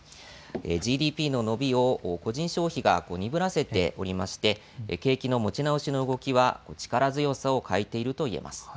ＧＤＰの伸びを個人消費が鈍らせておりまして景気の持ち直しの動きは力強さを欠いていると言えます。